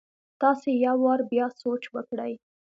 تاسي يو وار بيا سوچ وکړئ!